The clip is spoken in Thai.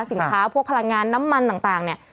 พวกพลังงานน้ำมันต่างเนี่ย